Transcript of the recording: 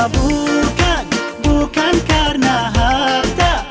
bukan bukan karena harta